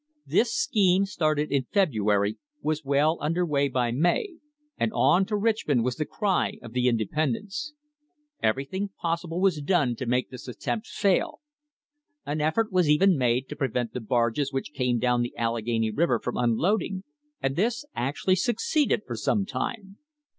This scheme, started in February, was well under way by May, and "On to Richmond!" was the cry of the inde pendents. Everything possible was done to make this attempt fail. An effort was even made to prevent the barges which came down the Allegheny River from unloading, and this actually succeeded for some time.